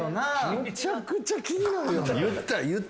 むちゃくちゃ気になるよな。